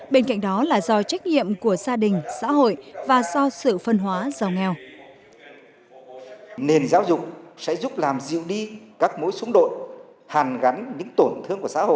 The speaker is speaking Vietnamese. bên cạnh đó là do trách nhiệm của gia đình